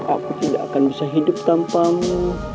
aku tidak akan bisa hidup tanpamu